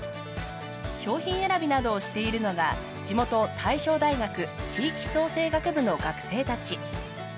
商品選びなどをしているのが地元大正大学地域創生学部の学生たち。